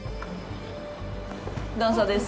段差です。